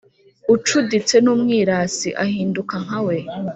ucuditse n’umwirasi, ahinduka nka we